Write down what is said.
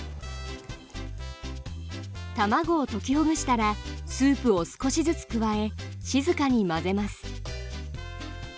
卵を溶きほぐしたらスープを少しずつ加え静かに混ぜます。